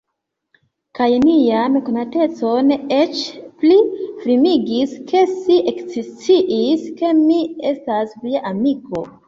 Kaj nian konatecon eĉ pli firmigis, ke si eksciis, ke mi estas Via amiko!